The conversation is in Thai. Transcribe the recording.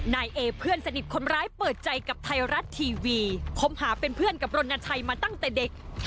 นายเอเพื่อนสนิทคนร้ายเปิดใจกับไทยรัฐทีวีคมหาเป็นเพื่อนกับรณชัยมาตั้งแต่เด็ก